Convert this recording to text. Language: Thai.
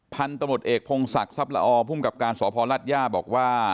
พันธุ์ตมรุษเอกพงศักดิ์ซับละอพุ่มกัปการสพรัฐยาบอกว่า